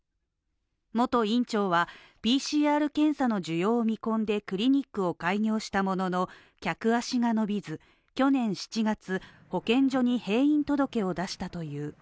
元院長はＰＣＲ検査の需要を見込んでクリニックを開業したものの客足が伸びず、去年７月、保健所に閉院届を出したという。